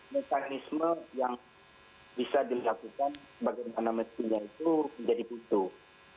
mekanisme yang bisa dilakukan sebagaimana mestinya itu menjadi butuh